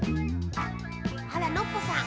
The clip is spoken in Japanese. あらノッポさん。